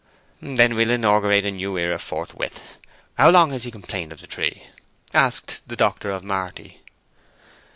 "Then we'll inaugurate a new era forthwith. How long has he complained of the tree?" asked the doctor of Marty.